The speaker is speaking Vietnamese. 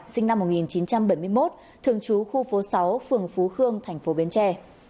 sinh năm một nghìn chín trăm bảy mươi một thường trú khu phố sáu phường phú khương thành phố bến tre